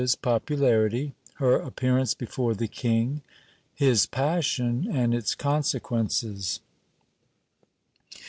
s popularity ; her appearance before the king ; his passion, and its consequences.